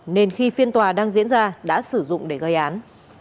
nên khi phiên tòa đang diễn ra đã sử dụng để gây án